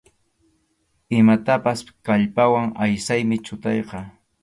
Imatapas kallpawan aysaymi chutayqa.